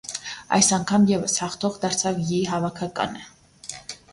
Այս անգամ ևս հաղթող դարձավ յի հավաքականը։